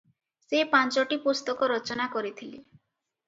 ସେ ପାଞ୍ଚଟି ପୁସ୍ତକ ରଚନା କରିଥିଲେ ।